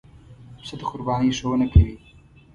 پسه د قربانۍ ښوونه کوي.